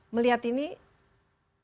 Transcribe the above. melihat ini masih dalam tahap kecemasan